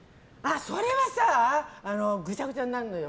それはさぐちゃぐちゃになるのよ。